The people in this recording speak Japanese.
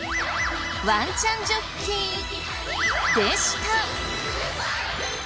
ワンちゃんジョッキーでした。